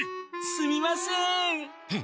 ・すみません。